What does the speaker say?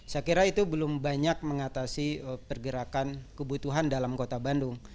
saya kira itu belum banyak mengatasi pergerakan kebutuhan dalam kota bandung